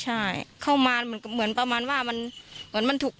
ใช่เข้ามาเหมือนประมาณว่ามันเหมือนมันถูก